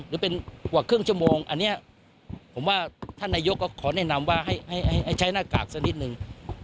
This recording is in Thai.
หรือเป็นกว่าครึ่งชั่วโมงอันนี้ผมว่าท่านนายกก็ขอแนะนำว่าให้ใช้หน้ากากสักนิดนึง